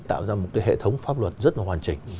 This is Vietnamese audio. tạo ra một cái hệ thống pháp luật rất là hoàn chỉnh